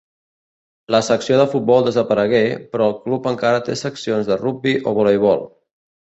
La secció de futbol desaparegué, però el club encara té seccions de rugbi o voleibol.